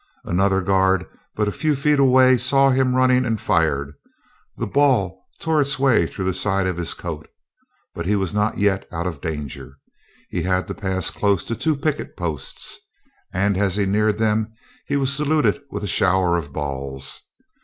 Another guard but a few feet away saw him running, and fired. The ball tore its way through the side of his coat. But he was not yet out of danger. He had to pass close to two picket posts, and as he neared them he was saluted with a shower of balls.